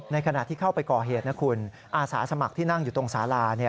ขณะที่เข้าไปก่อเหตุนะคุณอาสาสมัครที่นั่งอยู่ตรงสารา